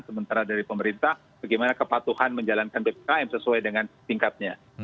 sementara dari pemerintah bagaimana kepatuhan menjalankan bpkm sesuai dengan tingkatnya